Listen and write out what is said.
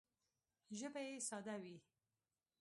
ژبه یې ساده وي